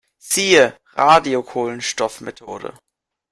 Siehe Radiokohlenstoffmethode.